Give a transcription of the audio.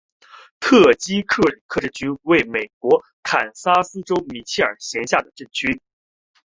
特基克里克镇区为美国堪萨斯州米切尔县辖下的镇区。